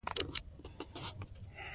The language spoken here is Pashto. تودوخه د افغانانو د معیشت سرچینه ده.